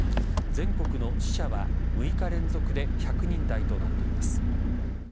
全国の死者は６日連続で１００人台となっています。